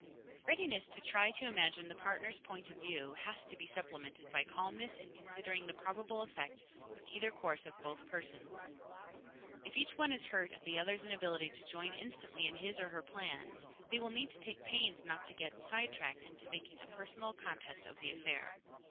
Readiness to try to imagine the partner's point of view has to be supplemented by calmness in considering the probable effect of either course on both persons. If each one is hurt at the other's inability to join instantly in his, or her, plans, they will need to take pains not to get sidetracked into making a personal contest of the affair.